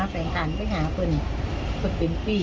ไปทันไปหาคนเป็นผู้หญิง